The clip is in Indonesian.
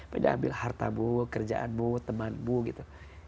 pada ambil hartamu kerjaanmu temanmu gitu